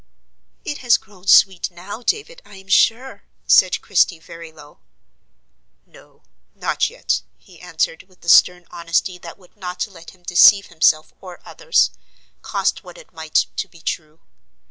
"It has grovn sweet now, David, I am sure," said Christie, very low. "No, not yet," he answered with the stern honesty that would not let him deceive himself or others, cost what it might to be true.